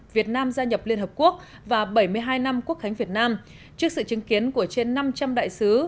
việt nam gia nhập liên hợp quốc và bảy mươi hai năm quốc khánh việt nam trước sự chứng kiến của trên năm trăm linh đại sứ